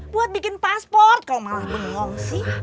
buat bikin pasport kalo malah belum ngongsi